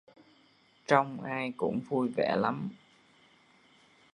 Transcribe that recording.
Trông ai cũng vui vẻ lắm